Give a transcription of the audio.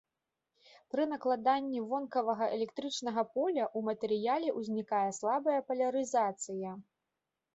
Пры накладанні вонкавага электрычнага поля ў матэрыяле ўзнікае слабая палярызацыя.